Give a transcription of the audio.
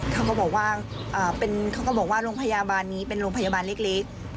เขาก็บอกว่าโรงพยาบาลนี้เป็นโรงพยาบาลเล็ก